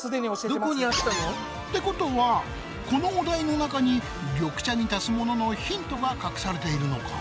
どこにあったの？ってことはこのお題の中に緑茶に足すもののヒントが隠されているのか？